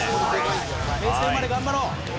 平成生まれ頑張ろう。